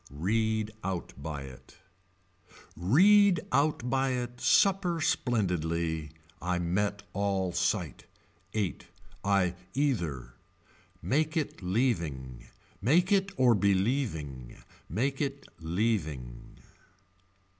Read out by it. Read out by it supper splendidly. I met all sight. Eight. I either. Make it leaving. Make it or believing. Make it leaving.